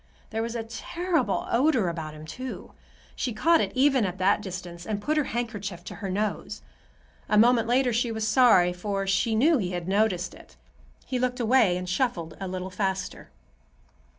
There was a terrible odor about him, too. She caught it even at that distance, and put her handkerchief to her nose. A moment later she was sorry, for she knew that he had noticed it. He looked away and shuffled a little faster.